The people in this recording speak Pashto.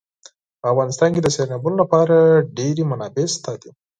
په افغانستان کې د سیلابونو لپاره ډېرې منابع شته دي.